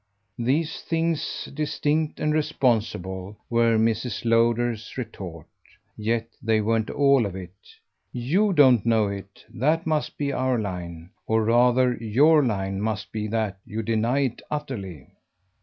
These things, distinct and responsible, were Mrs. Lowder's retort. Yet they weren't all of it. "YOU don't know it that must be your line. Or rather your line must be that you deny it utterly."